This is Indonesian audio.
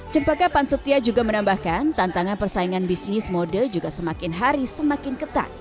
cem pagkapan setia juga menambahkan tantangan persaingan bisnis mode juga semakin hari semakin ketat